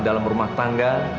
dalam rumah tangga